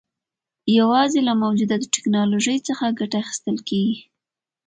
یوازې له موجوده ټکنالوژۍ څخه ګټه اخیستل کېږي.